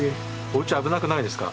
おうち危なくないですか？